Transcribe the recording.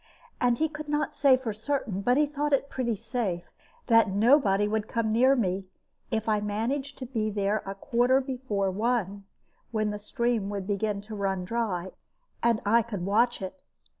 And he could not say for certain, but thought it pretty safe, that nobody would come near me, if I managed to be there at a quarter before one, when the stream would begin to run dry, and I could watch it.